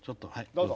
どうぞ。